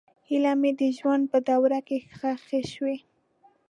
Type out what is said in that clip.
هیلې مې د ژوند په دوړو کې ښخې شوې.